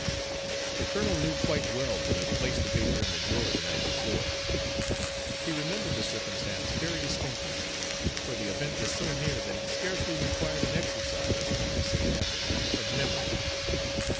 The colonel knew quite well that he had placed the paper in the drawer the night before; he remembered the circumstance very distinctly, for the event was so near that it scarcely required an exercise, not to say an effort, of memory.